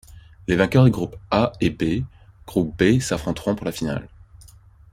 Les vainqueurs des groupes A et B groupe B s'affronteront pour la finale.